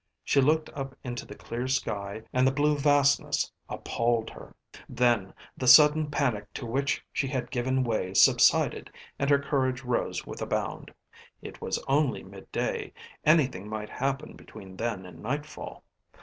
She looked up into the clear sky and the blue vastness appalled her. Then the sudden panic to which she had given way subsided and her courage rose with a bound. It was only midday, anything might happen between then and nightfall.